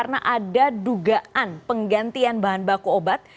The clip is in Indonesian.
untuk penggantian bahan baku obat